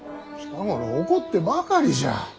近頃怒ってばかりじゃ。